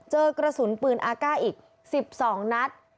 เจอกระสุนปืนอาก้าอีก๑๒นัด